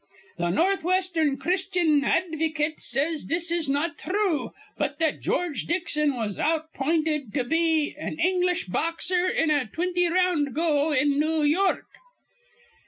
Th' Northwestern Christyan Advycate says this is not thrue, but that George Dixon was outpointed be an English boxer in a twinty r round go in New York."